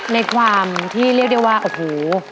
ในความที่เรียกได้ว่าโอ้โห